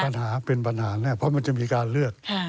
ปัญหาเป็นปัญหาแน่เพราะมันจะมีการเลือก